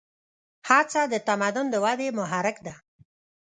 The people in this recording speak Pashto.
هڅه د تمدن د ودې محرک ده.